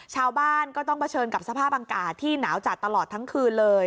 ชาวบ้านก็ต้องเผชิญกับสภาพอากาศที่หนาวจัดตลอดทั้งคืนเลย